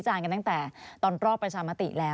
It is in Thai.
จะไม่ได้มาในสมัยการเลือกตั้งครั้งนี้แน่